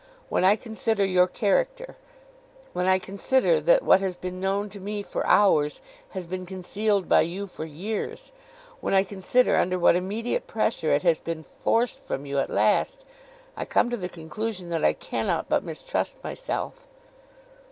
When I consider your character; when I consider that what has been known to me for hours, has been concealed by you for years; when I consider under what immediate pressure it has been forced from you at last; I come to the conclusion that I cannot but mistrust myself.